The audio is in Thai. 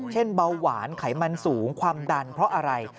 เบาหวานไขมันสูงความดันเพราะอะไร